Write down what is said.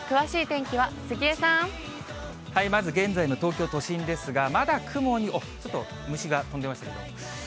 まず現在の東京都心ですが、まだ雲に、ちょっと虫が飛んでましたけど。